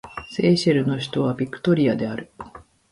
セーシェルの首都はビクトリアである